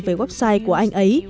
về website của anh ấy